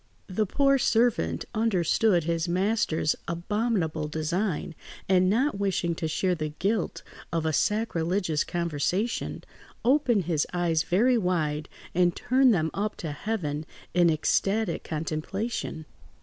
The poor servant understood his master's abominable design, and not wishing to share the guilt of a sacrilegious conversation, opened his eyes very wide and turned them up to heaven in ecstatic contemplation.